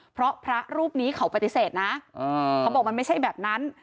เพราะพระรูปนี้เขาปฏิเสธนะเขาบอกมันไม่ใช่แบบนั้น